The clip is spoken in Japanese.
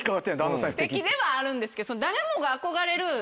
すてきではあるんですけど。